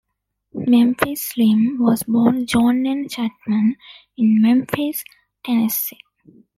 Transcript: Memphis Slim was born John Len Chatman, in Memphis, Tennessee.